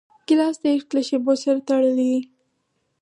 ګیلاس د عشق له شېبو سره تړلی دی.